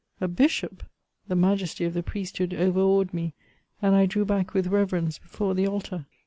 A Bishop? The majesty of the priesthood overawed me, and I drew back with reverence before the altar.